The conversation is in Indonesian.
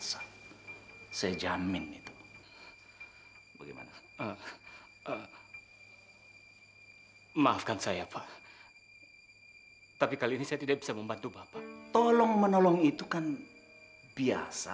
sampai jumpa di video selanjutnya